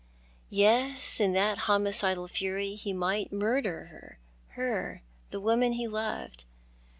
Yes, in that homicidal fury he might murder her — her, the woman he loved.